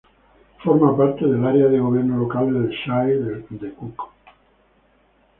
Forma parte del área de gobierno local del shire de Cook.